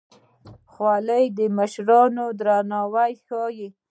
خولۍ د مشرانو درناوی ښيي.